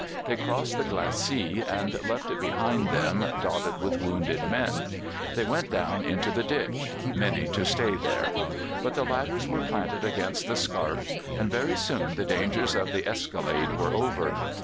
They crossed the glacis, and left it behind them dotted with wounded men; they went down into the ditch many to stay there; but the ladders were planted against the scarp, and very soon the dangers of the escalade were over.